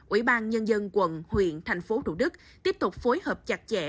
ủy ban nhân dân quận huyện thành phố thủ đức tiếp tục phối hợp chặt chẽ